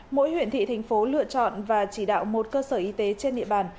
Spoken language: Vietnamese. mỗi huyện thị thành phố lựa chọn và chỉ đạo một cơ sở y tế trên địa bàn